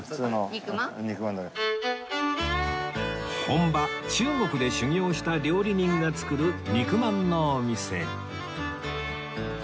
本場中国で修業した料理人が作る肉まんのお店